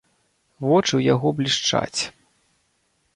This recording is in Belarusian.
Вочы ў яго блішчаць.